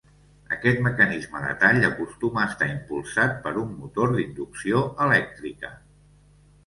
Aquest mecanisme de tall acostuma a estar impulsat per un motor d'inducció elèctrica.